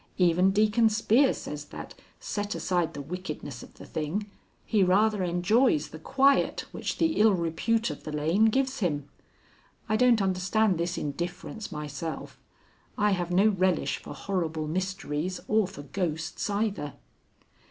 Even Deacon Spear says that, set aside the wickedness of the thing, he rather enjoys the quiet which the ill repute of the lane gives him. I don't understand this indifference myself. I have no relish for horrible mysteries or for ghosts either."